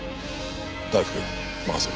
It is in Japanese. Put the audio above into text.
大福任せる。